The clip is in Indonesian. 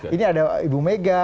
ini ada ibu mega